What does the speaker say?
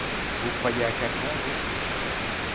Vous croyez à Caton, vous!